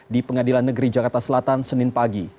di pengadilan negeri jakarta selatan senin pagi